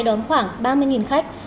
đón khoảng ba mươi khách